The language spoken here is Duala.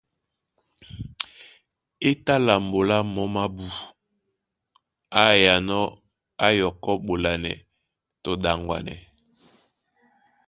É tá lambo lá momé ábū á yánɔ̄ á yɔkɔ́ ɓolanɛ tɔ ɗaŋgwanɛ.